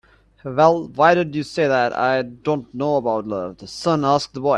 "Well, why did you say that I don't know about love?" the sun asked the boy.